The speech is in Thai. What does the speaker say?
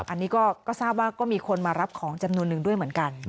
อันนี้ก็ทราบว่าก็มีคนมารับของจำนวนนึงด้วยเหมือนกัน